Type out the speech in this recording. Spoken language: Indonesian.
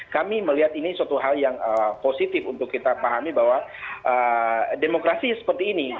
kami melihat ini suatu hal yang positif untuk kita pahami bahwa demokrasi seperti ini